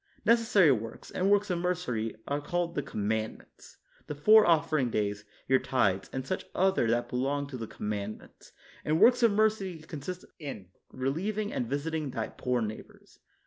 Neces sary works, and works of mercy, are called the Commandments, the four offering days, your tithes, and such other that belong to the Com mandments; and works of mercy consist in re lieving and visiting thy poor neighbors.